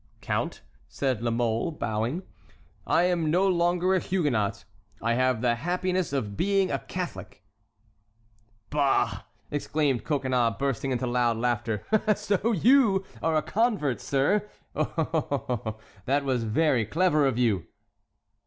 "Count," said La Mole, bowing, "I am no longer a Huguenot; I have the happiness of being a Catholic!" "Bah!" exclaimed Coconnas, bursting into loud laughter; "so you are a convert, sir? Oh, that was clever of you!"